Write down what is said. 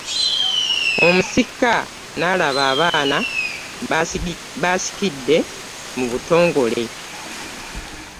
Omusika n’alaba abaana b’asikidde mu butongole.